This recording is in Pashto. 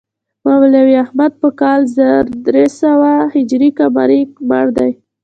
مولوي احمد په کال زر درې سوه هجري قمري مړ دی.